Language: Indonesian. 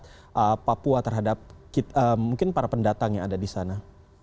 apakah ada kesan kesan papua terhadap mungkin para pendatang yang ada di sana